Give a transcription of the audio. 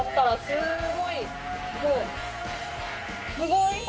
すごい！